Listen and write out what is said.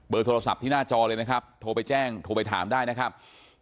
โดยโทรศัพท์ที่หน้าจอเลยนะครับโทรไปแจ้งโทรไปถามได้นะครับ